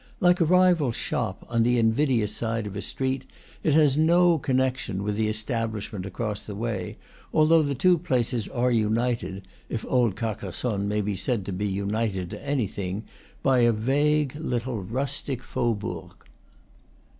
Like a rival shop, on the in vidious side of a street, it has "no connection" with the establishment across the way, although the two places are united (if old Carcassonne may be said to be united to anything) by a vague little rustic fau bourg.